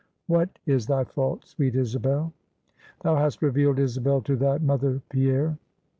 "What is thy fault, sweet Isabel?" "Thou hast revealed Isabel to thy mother, Pierre."